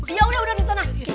iya udah udah di sana